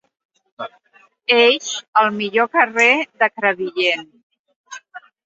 Elx, el millor carrer de Crevillent.